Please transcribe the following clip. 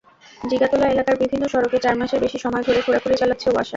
জিগাতলা এলাকার বিভিন্ন সড়কে চার মাসের বেশি সময় ধরে খোঁড়াখুঁড়ি চালাচ্ছে ওয়াসা।